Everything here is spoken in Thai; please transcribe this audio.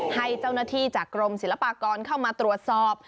ให้เจ้าหน้าที่จากกรมศิลปากรเข้ามาตรวจสอบ